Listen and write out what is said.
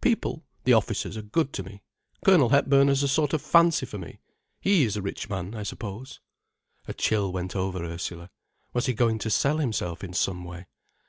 People—the officers, are good to me. Colonel Hepburn has a sort of fancy for me—he is a rich man, I suppose." A chill went over Ursula. Was he going to sell himself in some way?